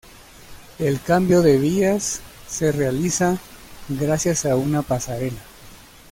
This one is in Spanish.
El cambio de vías se realiza gracias a una pasarela.